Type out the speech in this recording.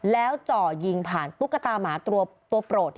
แล้วจ่อยิงผ่านตุ๊กตาหมาตัวโปรด